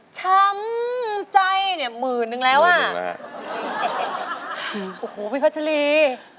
ช้ำใจเนี่ยหมื่นนึงแล้วอ่ะนะฮะโอ้โหพี่พัชรี